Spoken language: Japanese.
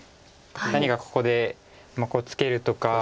何かここでツケるとか。